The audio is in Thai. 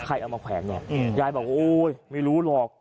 ใครเอามาแผลงเนี่ยยายบอกโอ๊ยไม่รู้หรอก